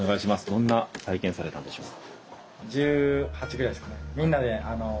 どんな体験されたんでしょうか。